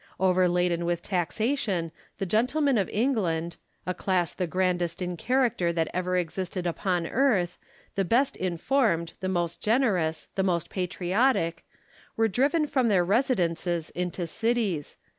Overladen with taxation, the gentlemen of England — a class the grandest in character that ever existed upon earth, the best informed, the most generous, the most patriotic — were driven from their residences into cities.